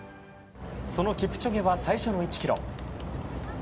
そのキプチョゲは最初の１ｋｍ。